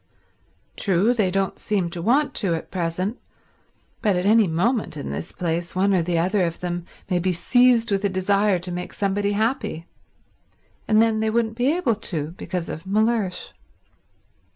True they don't seem to want to at present, but at any moment in this place one or the other of them may be seized with a desire to make somebody happy, and then they wouldn't be able to because of Mellersh."